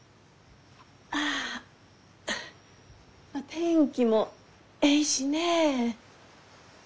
天気もえいしね。